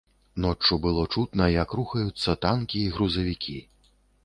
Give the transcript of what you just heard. Ноччу было чутна, як рухаюцца танкі і грузавікі.